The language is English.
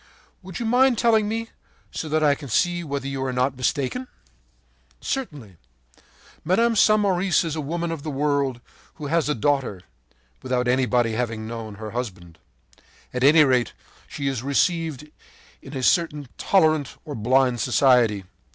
” “Would you mind telling me, so that I can see whether you are not mistaken?” “Certainly. Mme. Samoris is a woman of the world who has a daughter, without anyone having known her husband. At any rate, she is received in a certain tolerant, or blind society.